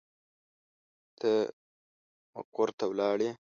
ته مقر ته ولاړې.